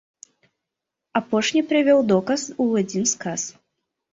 Апошні прывёў доказ у адзін сказ.